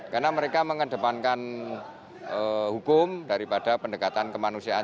karena mereka mengedepankan hukum daripada pendekatan kemanusiaan